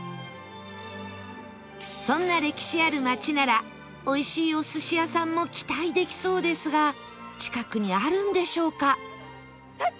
そんな歴史ある街ならおいしいお寿司屋さんも期待できそうですが近くにあるんでしょうか？